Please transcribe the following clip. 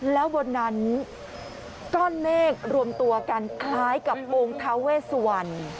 แล้วบนนั้นก้อนเมฆรวมตัวกันคล้ายกับองค์ท้าเวสวัน